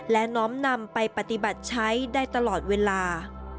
และน้อมนำไปปฏิบัติใช้ได้ตลอดเวลา